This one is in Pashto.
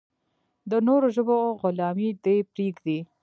د نورو ژبو غلامي دې پرېږدي.